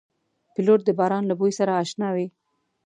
پیلوټ د باران له بوی سره اشنا وي.